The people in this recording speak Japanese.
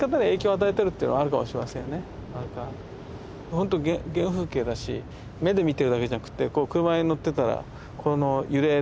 ほんと原風景だし目で見てるだけじゃなくてこう車に乗ってたらこの揺れですよね